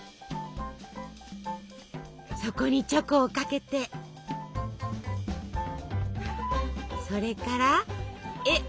そこにチョコをかけてそれからえ！